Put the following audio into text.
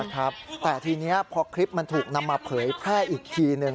แต่ทีนี้พอคลิปมันถูกนำมาเผยแพร่อีกทีหนึ่ง